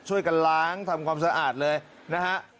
ช่วยกันล้างทำความสะอาดเลยนะฮะ